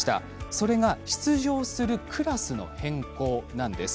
それが、出場するクラスの変更なんです。